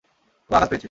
ও আঘাত পেয়েছে।